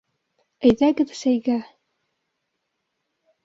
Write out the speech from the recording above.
Әйҙәгеҙ сәйгә!